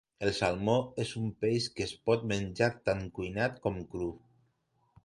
El salmó és un peix que es pot menjar tant cuinat com cru.